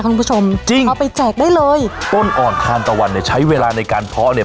ของคุณผู้ชมเอาไปแจกได้เลยจริงต้นอ่อนทานตะวันเนี่ยใช้เวลาในการท้อเนี่ย